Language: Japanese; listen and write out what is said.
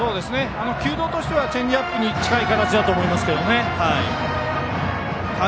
球道としてはチェンジアップに近い形だと思います。